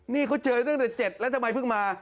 นี่เขาเจอตั้งแต่๗แล้วทำไมเพิ่งมา